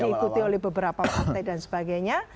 dan diikuti oleh beberapa partai dan sebagainya